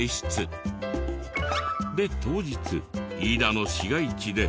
で当日飯田の市街地で。